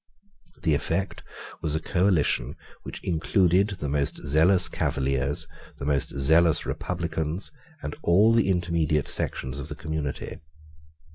The effect was a coalition which included the most zealous Cavaliers, the most zealous Republicans, and all the intermediate sections of the community.